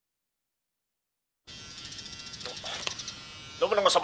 「信長様